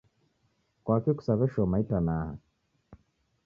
Kwaki kusaw'eshoma itanaha?